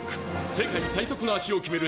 「世界最速の足を決める